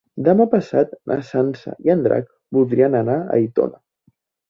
Demà passat na Sança i en Drac voldrien anar a Aitona.